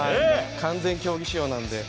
完全競技仕様なので。